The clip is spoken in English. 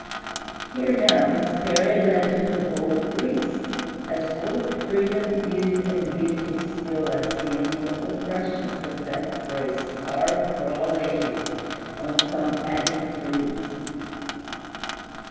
Hear now this fairy legend of old Greece, As full of freedom, youth, and beauty still As the immortal freshness of that grace Carved for all ages on some Attic frieze.